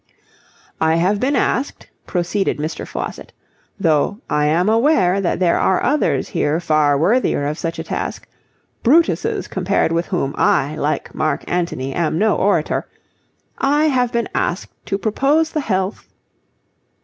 "I have been asked," proceeded Mr. Faucitt, "though I am aware that there are others here far worthier of such a task Brutuses compared with whom I, like Marc Antony, am no orator I have been asked to propose the health..."